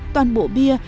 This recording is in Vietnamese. toàn bộ bia